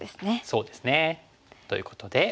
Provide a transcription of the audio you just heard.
そうですね。ということで。